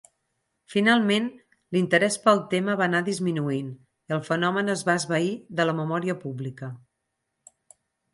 Finalment l'interès pel tema va anar disminuint i el fenomen es va esvair de la memòria pública.